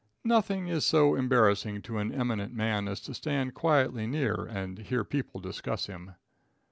Nothing is so embarrassing to an eminent man as to stand quietly near and hear people discuss him.